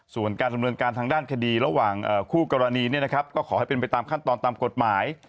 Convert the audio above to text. ส่วนการดำเนินการทางด้านคดีระหว่างคู่กรณีก็ขอให้เป็นไปตามขั้นตอนตามกฎหมาย